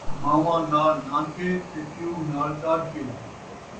مان٘واں نال نانکے تے پیو نال ݙاݙکے